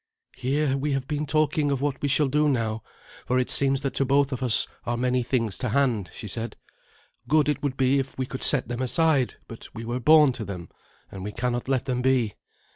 "Here we have been talking of what we shall do now, for it seems that to both of us are many things to hand," she said. "Good it would be if we could set them aside; but we were born to them, and we cannot let them be.